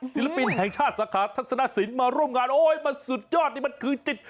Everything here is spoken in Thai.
ศิลปินแห่งชาติสาขาทัศนสินมาร่วมงานโอ๊ยมันสุดยอดนี่มันคือจิต